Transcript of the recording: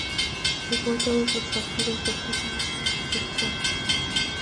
Jugó todos los partidos del torneo, menos el cuarto.